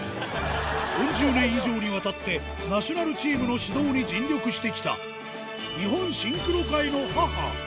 ４０年以上にわたって、ナショナルチームの指導に尽力してきた、日本シンクロ界の母。